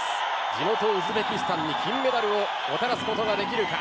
地元ウズベキスタンに金メダルをもたらすことができるか。